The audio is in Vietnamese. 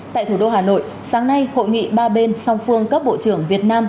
tại thủ đô hà nội sáng nay hội nghị ba bên song phương cấp bộ trưởng việt nam